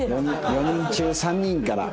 ４人中３人から。